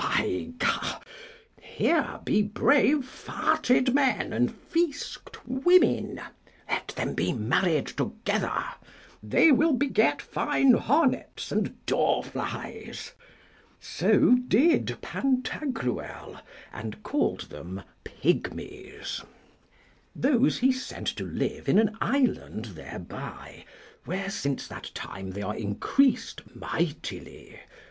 By G , here be brave farted men and fisgued women; let them be married together; they will beget fine hornets and dorflies. So did Pantagruel, and called them pigmies. Those he sent to live in an island thereby, where since that time they are increased mightily.